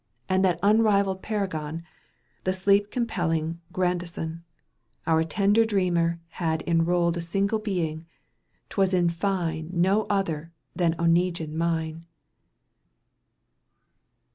And that unrivaned paragon, The sleep compelling Grandison, Our tender dreamer had enrolled A single being : 'twas in fine No other than Oneguine mine.